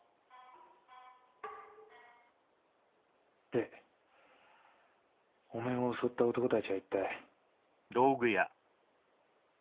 でお前を襲った男たちは一体？